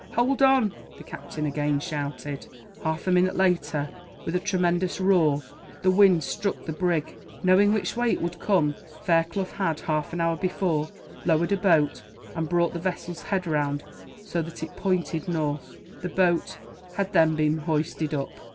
"Hold on!" the captain again shouted. Half a minute later, with a tremendous roar, the wind struck the brig. Knowing which way it would come, Fairclough had, half an hour before, lowered a boat and brought the vessel's head round, so that it pointed north. The boat had then been hoisted up.